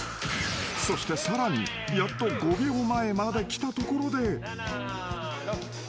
［そしてさらにやっと５秒前まできたところで］